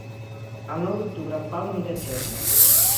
El nou d'octubre en Pau anirà a Xest.